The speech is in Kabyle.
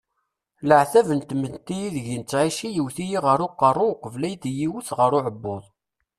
Leɛtab n tmetti ideg nettɛici yewwet-iyi ɣer uqerruy uqbel ad iyi-iwet ɣer uɛebbuḍ.